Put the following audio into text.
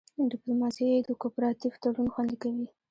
ډیپلوماسي د کوپراتیف تړون خوندي کوي